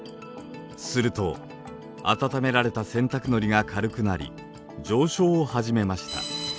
すると温められた洗濯のりが軽くなり上昇を始めました。